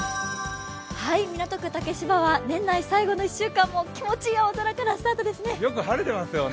港区竹芝は年内最後の１週間も気持ちいい青空からスタートですね。